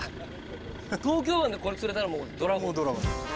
東京湾でこれ釣れたらもうドラゴンですよ。